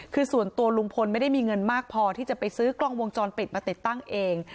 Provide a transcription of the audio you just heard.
คือส่วนตัวลุงพลไม่ได้มีเงินมากพอที่จะไปซื้อกล้องวงจรปิดมาติดตั้งเอง